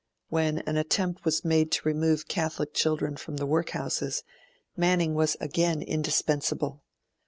When an attempt was made to remove Catholic children from the Workhouses, Manning was again indispensable.